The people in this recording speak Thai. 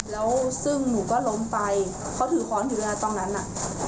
แล้วซึ่งหนูก็ล้มไปเขาถือค้อนถึงเวลาตรงนั้นน่ะ